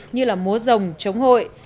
như là múa rồng chống hội